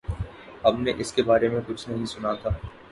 ہم نے اس کے بارے میں کچھ نہیں سنا تھا۔